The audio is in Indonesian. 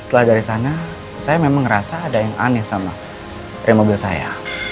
setelah dari sana saya memang ngerasa ada yang aneh sama dari mobil saya